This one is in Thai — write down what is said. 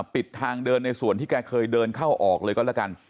ปิดทางเดินในส่วนที่แกเคยเดินเข้าออกเลยก็แล้วกัน